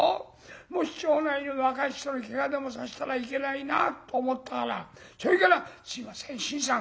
もし町内の若い人にけがでもさせたらいけないなと思ったからそれから『すいません新さん。